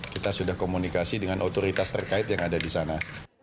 kita sudah komunikasi dengan otoritas terkait yang ada di sana